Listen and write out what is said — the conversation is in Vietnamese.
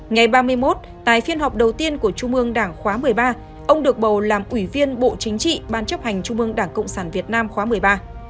ngày ba mươi một tại phiên họp đầu tiên của trung ương đảng khóa một mươi ba ông được bầu làm ủy viên bộ chính trị ban chấp hành trung ương đảng cộng sản việt nam khóa một mươi ba